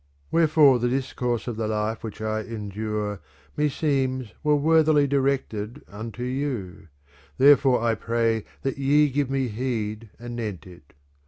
Wherefore the discoufie of tfadlife which I endure ( z Meseems were worthily directed unto you ; therefore I pray that ye give me heed anent it.